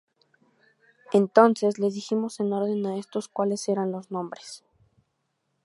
Entonces les dijimos en orden á esto cuáles eran los nombres.